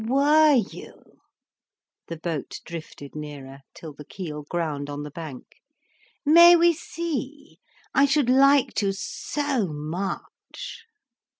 "Were you?" The boat drifted nearer, till the keel ground on the bank. "May we see? I should like to so much."